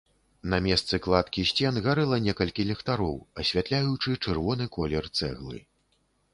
На месцы кладкі сцен гарэла некалькі ліхтароў, асвятляючы чырвоны колер цэглы.